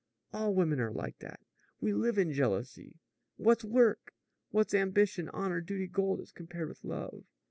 All women are like that. We live in jealousy. What's work? What's ambition, honor, duty, gold as compared with love?"